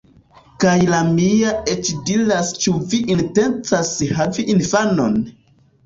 Kaj la mia eĉ diras "Ĉu vi intencas havi infanon?"